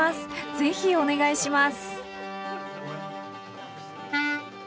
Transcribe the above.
是非お願いします。